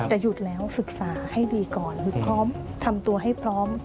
แต่หยุดแล้วศึกษาให้ดีก่อนหรือพร้อมทำตัวให้พร้อม